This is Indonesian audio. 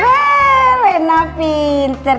wah rina pinter